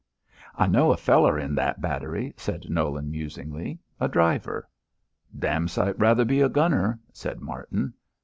"I know a feller in that battery," said Nolan, musingly. "A driver." "Dam sight rather be a gunner," said Martin.